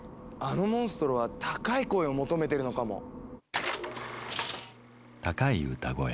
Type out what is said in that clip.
あのモンストロは高い声を求めてるのかも。